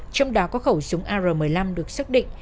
trong đó có khẩu súng ar một mươi năm được xác định